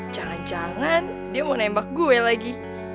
jangan jangan dia mau nembak gue lagi